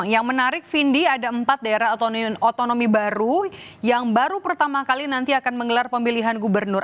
yang menarik vindi ada empat daerah otonomi baru yang baru pertama kali nanti akan menggelar pemilihan gubernur